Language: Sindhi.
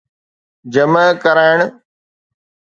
جمع ڪرائڻ